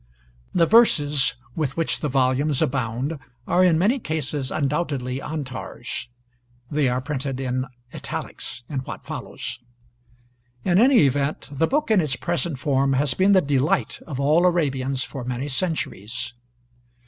The verses with which the volumes abound are in many cases undoubtedly Antar's. (They are printed in italics in what follows.) In any event, the book in its present form has been the delight of all Arabians for many centuries.